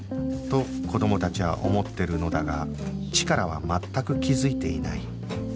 と子供たちは思ってるのだがチカラは全く気づいていない